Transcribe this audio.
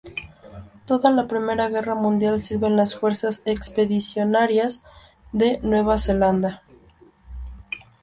Toda la Primera Guerra Mundial sirve en las Fuerzas Expedicionarias de Nueva Zelanda.